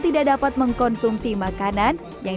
tidak dapat mengkonsumsi makanan yang